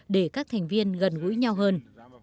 để các thành viên gần gũi nhau hơn